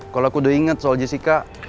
kalau aku udah inget soal jessica